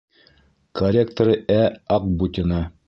Корректоры Ә. Аҡбутина